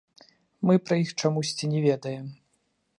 Мы пра іх чамусьці не ведаем.